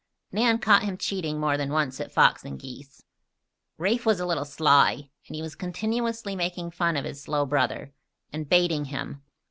Nan caught him cheating more than once at fox and geese. Rafe was a little sly, and he was continually making fun of his slow brother, and baiting him.